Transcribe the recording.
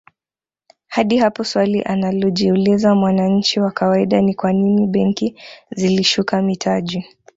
Hadi hapo swali analojiuliza mwananchi wa kawaida ni kwanini benki zilishuka mitaji